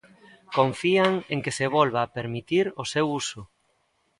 Confían en se que volva a permitir o seu uso.